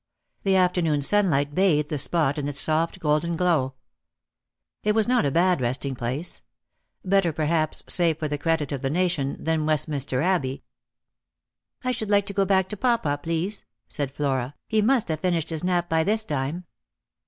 The afternoon sunlight bathed the spot in its soft golden glow. It was not a bad resting place ; better perhaps, save for the credit of the nation, than West minster Abbey. " I should like to go back to papa, please," said Flora. " He must have finished his nap by this time."